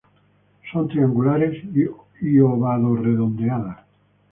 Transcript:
Son triangulares y ovado-redondeadas.